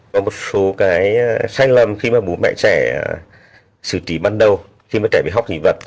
và một số cái sai lầm khi mà bố mẹ trẻ xử trí ban đầu khi mà trẻ bị hóc dị vật